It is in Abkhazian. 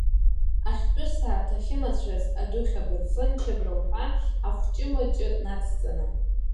Ахьтәы сааҭ, ахьымацәаз, адухь, абарфын чабра уҳәа, ахәҷымыҷы нацҵаны.